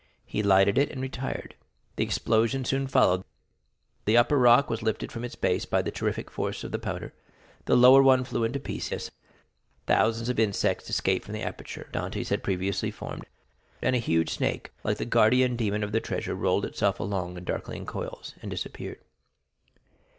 He lighted it and retired. The explosion soon followed; the upper rock was lifted from its base by the terrific force of the powder; the lower one flew into pieces; thousands of insects escaped from the aperture Dantès had previously formed, and a huge snake, like the guardian demon of the treasure, rolled himself along in darkening coils, and disappeared.